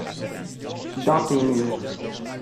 dans tes murs.